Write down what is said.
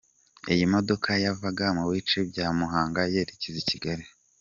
Iyi modoka yavaga mu bice bya Muhanga yerekeza i Kigali.